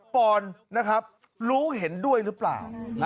ปอนนะครับรู้เห็นด้วยหรือเปล่า